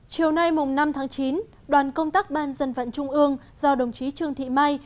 chiều nay năm tháng chín đoàn công tác ban dân vận trung ương do đồng chí trương thị mai